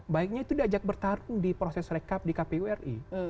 baiknya itu diajak bertarung di proses rekap di kpu ri